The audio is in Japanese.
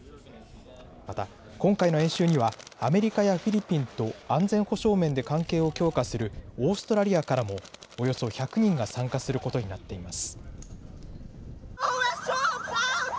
また今回の演習にはアメリカやフィリピンと安全保障面で関係を強化するオーストラリアからもおよそ１００人が参加することになっています。